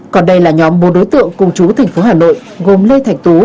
còn đây là nhóm bố đối tượng cùng chú thành phố hà nội gồm lê thạch tú ba mươi ba tuổi